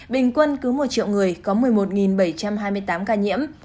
bình quân cứ một triệu người có một mươi một bảy trăm hai mươi tám ca nhiễm